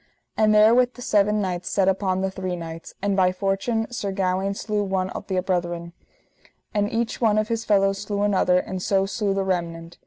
And therewith the seven knights set upon the three knights, and by fortune Sir Gawaine slew one of the brethren, and each one of his fellows slew another, and so slew the remnant.